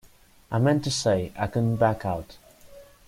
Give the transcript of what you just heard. I mean to say, I couldn't back out.